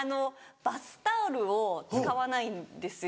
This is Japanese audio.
バスタオルを使わないんですよ。